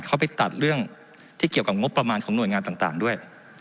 เขาไปตัดเรื่องที่เกี่ยวกับงบประมาณของหน่วยงานต่างด้วย